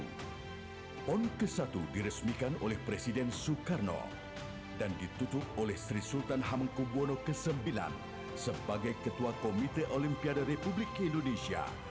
pon ke satu diresmikan oleh presiden soekarno dan ditutup oleh sri sultan hamengkubwono ix sebagai ketua komite olimpiade republik indonesia